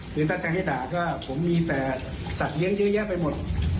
คือตั้งใจให้ด่าก็ผมมีแต่สัตว์เลี้ยงเยอะแยะไปหมด